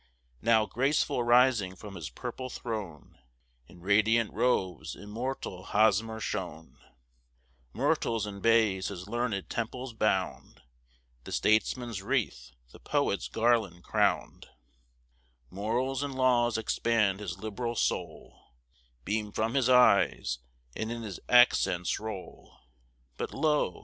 Now, graceful rising from his purple throne, In radiant robes, immortal Hosmer shone; Myrtles and bays his learned temples bound, The statesman's wreath, the poet's garland crown'd: Morals and laws expand his liberal soul, Beam from his eyes, and in his accents roll. But lo!